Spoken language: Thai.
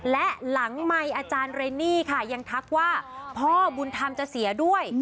และหลังไมค์อาจารย์เรนนี่ค่ะยังทักว่าพ่อบุญธรรมจะเสียด้วย